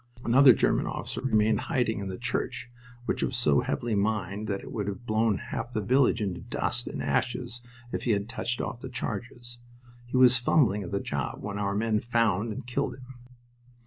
Another German officer remained hiding in the church, which was so heavily mined that it would have blown half the village into dust and ashes if he had touched off the charges. He was fumbling at the job when our men found and killed him.